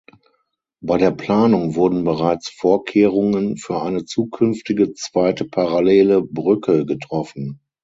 Bei der Planung wurden bereits Vorkehrungen für eine zukünftige zweite parallele Brücke getroffen.